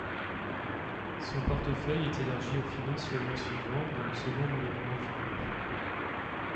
Son portefeuille est élargi aux Finances le mois suivant, dans le second gouvernement Philippe.